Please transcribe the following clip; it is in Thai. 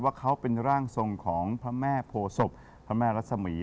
ว่าเขาเป็นร่างทรงของพระแม่โพศพพระแม่รัศมี